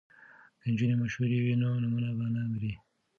که نجونې مشهورې وي نو نوم به نه مري.